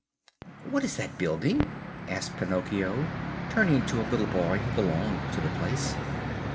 "What is that building?" asked Pinocchio, turning to a little boy who belonged to the place.